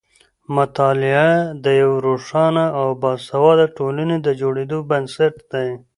مطالعه د یوې روښانه او باسواده ټولنې د جوړېدو بنسټ دی.